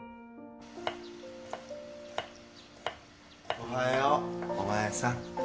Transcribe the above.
おはようお前さん